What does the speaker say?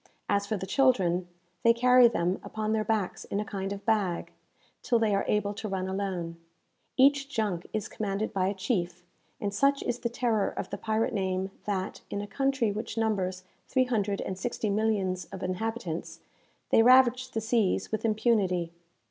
As for the children, they carry them upon their backs in a kind of bag, till they are able to run alone. Each junk is commanded by a chief, and such is the terror of the pirate name, that, in a country which numbers three hundred and sixty millions of inhabitants, they ravage the seas with impunity.